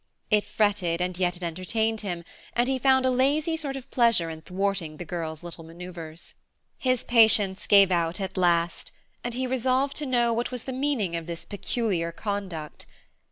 It fretted and yet it entertained him, and he found a lazy sort of pleasure in thwarting the girl's little maneuvers. His patience gave out at last, and he resolved to know what was the meaning of this peculiar conduct.